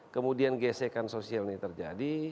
kemudian gesekan sosial ini terjadi